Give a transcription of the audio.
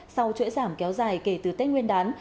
sau chuỗi giảm kéo dài kể từ tết nguyên đán